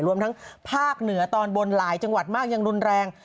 รวมทั้งภาคเหนือตอนบนหลายจังหวัดมากยังรุนแรง